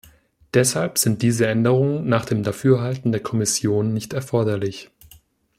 Deshalb sind diese Änderungen nach dem Dafürhalten der Kommission nicht erforderlich.